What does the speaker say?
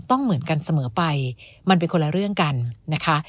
ต้องเหมือนกันเสมอไปมันเป็นคนละเรื่องกันนะคะ